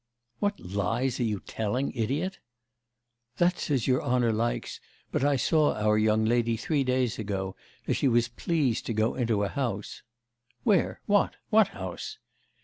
'What lies are you telling, idiot?' 'That's as your honour likes, but I saw our young lady three days ago, as she was pleased to go into a house!' 'Where? what? what house?